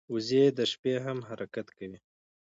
وزې د شپې هم حرکت کوي